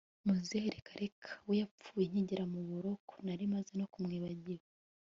muzehe reka reka, we yapfuye nkigera mu muburoko nari maze no kumwibagirwa